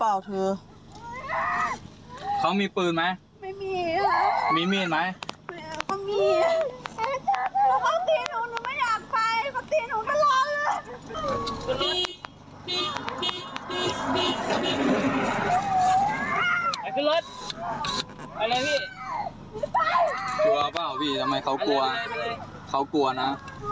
ไอ้ตื่นรถไปเลยพี่ไปเยอะเปล่าพี่ทำไมเขากลัวไปเลยพี่เขากลัวนะ